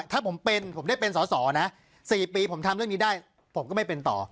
ถ้าผมเป็นผมได้เป็นสอสอนะ๔ปีผมทำเรื่องนี้ได้ผมก็ไม่เป็นต่อ